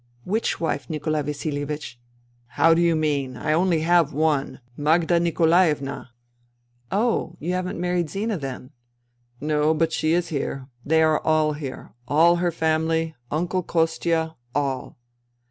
'*" Which wife, Nikolai Vasihevich ?"" How do you mean ? I only have one — ^Magda Nikolaevna." " Oh, you haven't married Zina then ?"" No, but she is here. They are all here — all her family ... Uncle Kostia ... all."